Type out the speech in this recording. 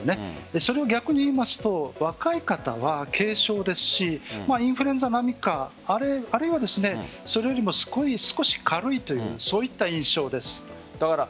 それを逆に言うと若い方は軽症ですしインフルエンザ並みかそれよりも少し軽いという印象です。